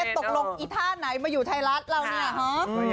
ตกลงอีท่าไหนมาอยู่ไทยรัฐเราเนี่ยฮะ